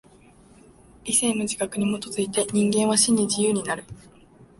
理性の自覚に基づいて人間は真に自由になる。